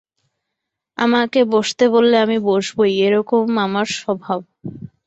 আমাকে বসতে বললে আমি বসবই এইরকম আমার স্বভাব।